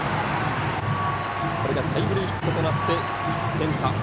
これがタイムリーヒットとなって１点差。